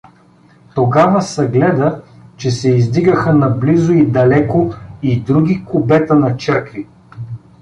Тогава съгледа, че се издигаха наблизо и далеко и други кубета на черкви.